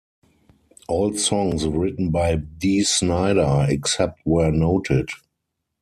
All songs written by Dee Snider, except where noted.